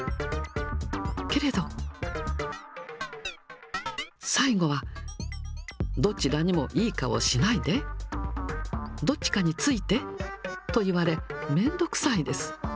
けれど、最後は、どちらにもいい顔しないで、どっちかについてと言われ、面倒くさいです。